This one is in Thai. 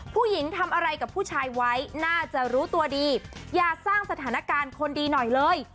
ผู้หญิงทำอะไรกับผู้ชายไว้น่าจะรู้ตัวดีอย่าสร้างสถานการณ์คนดีหน่อยเลย